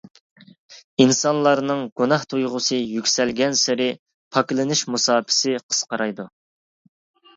ئىنسانلارنىڭ گۇناھ تۇيغۇسى يۈكسەلگەنسېرى، پاكلىنىش مۇساپىسى قىسقىرايدۇ.